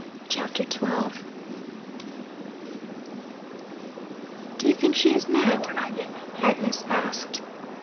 CHAPTER XII 'Do you think she is mad?' Agnes asked.